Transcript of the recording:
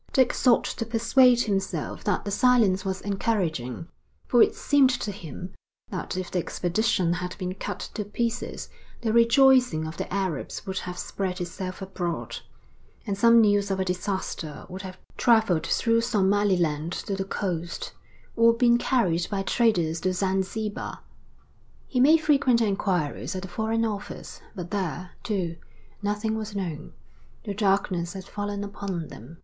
Dick sought to persuade himself that the silence was encouraging, for it seemed to him that if the expedition had been cut to pieces the rejoicing of the Arabs would have spread itself abroad, and some news of a disaster would have travelled through Somaliland to the coast, or been carried by traders to Zanzibar. He made frequent inquiries at the Foreign Office, but there, too, nothing was known. The darkness had fallen upon them.